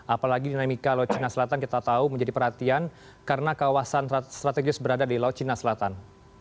apalagi dinamika laut cina selatan kita tahu menjadi perhatian karena kawasan strategis berada di laut cina selatan